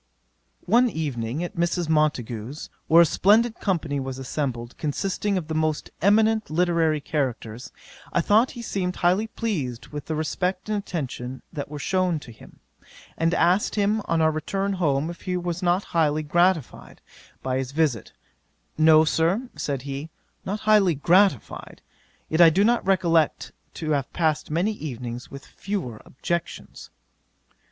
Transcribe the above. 'One evening at Mrs. Montagu's, where a splendid company was assembled, consisting of the most eminent literary characters, I thought he seemed highly pleased with the respect and attention that were shewn him, and asked him on our return home if he was not highly gratified by his visit: "No, Sir, (said he) not highly gratified; yet I do not recollect to have passed many evenings with fewer objections."